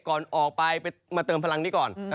ก่อนออกไปมาเติมพลังนี้ก่อน